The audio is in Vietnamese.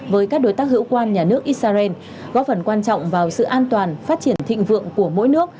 với các đối tác hữu quan nhà nước israel góp phần quan trọng vào sự an toàn phát triển thịnh vượng của mỗi nước